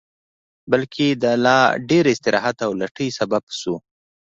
بلکې د لا ډېر استراحت او لټۍ سبب شو